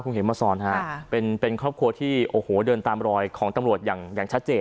คุณเฮษฐ์มาฟฟรานเป็นครอบครัวที่เดินตามรอยของตำรวจอย่างชัดเจน